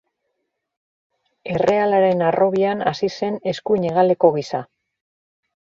Errealaren harrobian hazi zen eskuin hegaleko gisa.